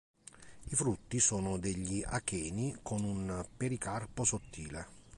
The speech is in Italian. I frutti sono degli acheni con un pericarpo sottile.